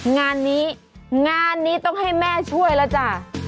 งานนี้งานนี้ต้องให้แม่ช่วยแล้วจ้ะ